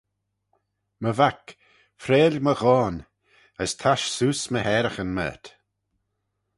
My vac, freill my ghoan, as tasht seose my haraghyn mayrt.